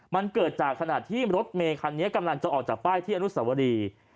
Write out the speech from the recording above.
มันเกิดจากขณะที่รถเมคันนี้กำลังจะออกจากป้ายที่อนุสวรี